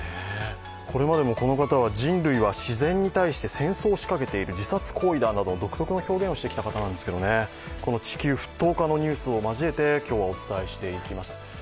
これまでもこの方は人類は自然に対して戦争を仕掛けている自殺行為だなど、独特の表現をしてきた方なんですが、この地球沸騰化のニュースを交えて、今日はお伝えしていきます。